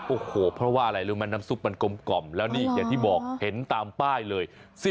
โอ้โหเพราะว่าอะไรรู้ไหมน้ำซุปมันกลมแล้วนี่อย่างที่บอกเห็นตามป้ายเลย